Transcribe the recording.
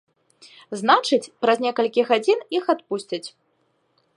Значыць, праз некалькі гадзін іх адпусцяць.